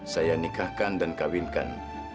saya nikahkan dan kawinkan